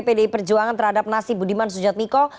pdi perjuangan terhadap nasib budiman sujatmiko